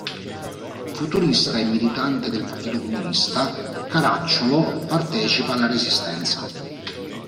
Futurista e militante del Partito Comunista, Caracciolo partecipa alla resistenza.